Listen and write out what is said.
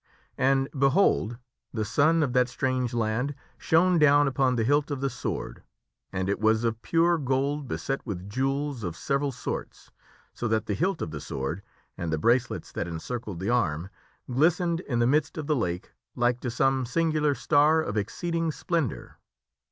And, behold ! the sun of that strange land shone down upon the hilt of the sword, and King Arthur & was f P ure g^ beset with jewels of several sorts, so seeth Excaiibur that the hilt of the sword and the bracelets that encircled the arm glistered in the midst of the lake like to some singular star of exceeding splendor.